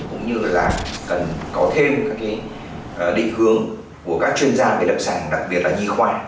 cũng như là cần có thêm các định hướng của các chuyên gia về lập sản đặc biệt là nhi khoa